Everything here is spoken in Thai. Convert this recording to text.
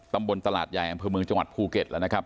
ตำบลตลาดใหญ่อำเภอเมืองจังหวัดภูเก็ตแล้วนะครับ